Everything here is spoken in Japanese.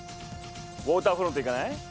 ウォーターフロント行かない？